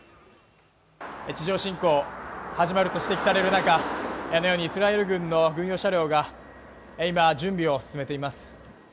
地上侵攻、始まると指摘される中あのようにイスラエル軍の軍用車両が、今、準備を進めています。